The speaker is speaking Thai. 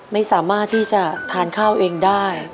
ไม่สามารถที่จะทานข้าวเองได้